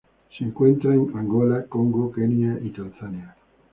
Se encuentra en Angola, Congo, Kenia y Tanzania.